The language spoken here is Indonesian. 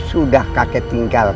sekarang kaki senggera